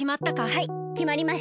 はいきまりました。